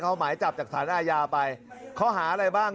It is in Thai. เอาหมายจับจากสารอาญาไปข้อหาอะไรบ้าง